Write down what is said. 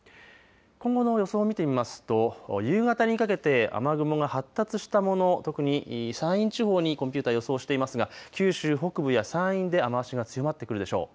今後の予想、見てみますと夕方にかけて雨雲が発達したもの、特に山陰地方にコンピューター、予想していますが九州北部や山陰で雨足が強まってくるでしょう。